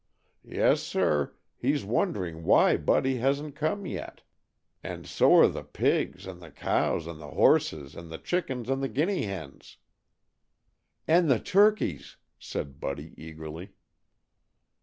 Yes, sir, he's wondering why Buddy hasn't come yet. And so are the pigs, and the cows, and the horses, and the chickens, and the guinea hens." "And the turkeys," said Buddy, eagerly.